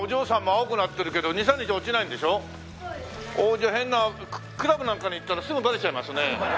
じゃあ変なクラブなんかに行ったらすぐバレちゃいますね。